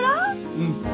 うん。